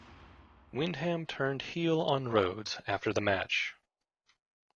Windham turned heel on Rhodes after the match.